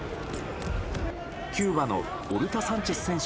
キューバのオルタ・サンチェス選手